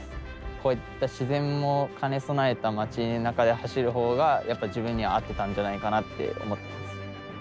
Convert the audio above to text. こういった自然を兼ね備えた街中で走る方がやっぱり自分には合ってたんじゃないかなって思ってます。